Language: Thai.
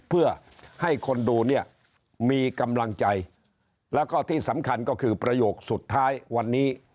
เพื่อให้คนดูเนี่ยมีกำลังใจแล้วก็ที่สำคัญก็คือประโยคสุดท้ายวันนี้